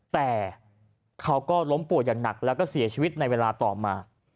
แต่เขาก็ล้มป่วยอย่างหนักแล้วก็เสียชีวิตในเวลาต่อมา